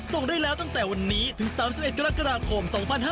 ส่งได้แล้วตั้งแต่วันนี้ถึง๓๑กรกฎาคม๒๕๕๙